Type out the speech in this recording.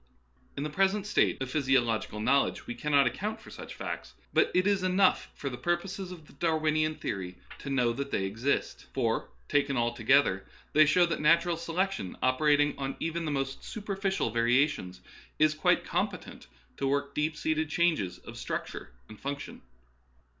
In the present state of physiological knowledge we cannot account for such facts ; but it is enough for the purposes of the Darwinian theory to know that they exist. For, taken all together, they show that natural selection, oper ating on even the most superficial variations, is 18 Darwinism and Other Essays, quite competent to work deep seated changes of structure and function.